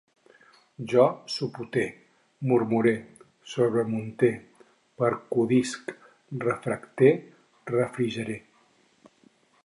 Jo supute, murmure, sobremunte, percudisc, refracte, refrigere